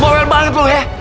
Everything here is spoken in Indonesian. boel banget lu ya